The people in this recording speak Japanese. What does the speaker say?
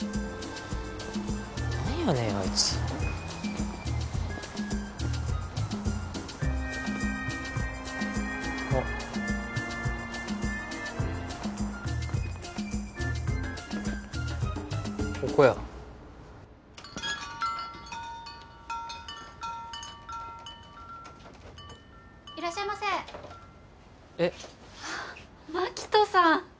何やねんあいつあっここや・いらっしゃいませ・えっあっマキトさん！